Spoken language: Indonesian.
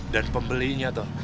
dan pembelinya tuh